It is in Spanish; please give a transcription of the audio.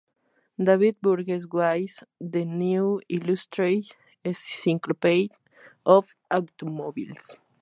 David Burgess Wise, "The New Illustrated Encyclopedia of Automobiles".